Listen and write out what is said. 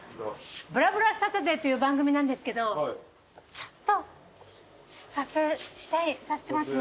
『ぶらぶらサタデー』っていう番組なんですけどちょっと撮影させてもらっても。